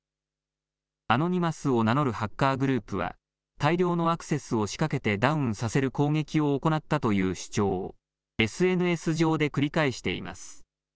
アノニマスを名乗るハッカーグループは大量のアクセスを仕掛けてダウンさせる攻撃を行ったという主張をＳＮＳ上で繰り返しています。